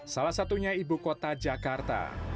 salah satunya ibu kota jakarta